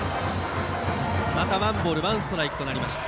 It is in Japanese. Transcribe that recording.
またワンボールワンストライクとなりました。